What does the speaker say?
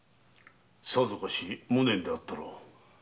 さぞかし無念であったろう。